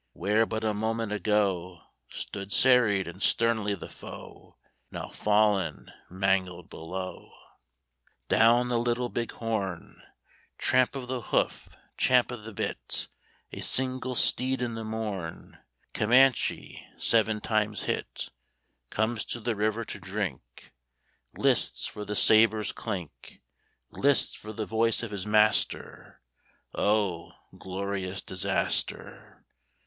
Where but a moment ago Stood serried and sternly the foe, Now fallen, mangled below. Down the Little Big Horn (Tramp of the hoof, champ of the bit), A single steed in the morn, Comanche, seven times hit, Comes to the river to drink; Lists for the sabre's clink, Lists for the voice of his master (O glorious disaster!)